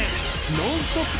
ノンストップ！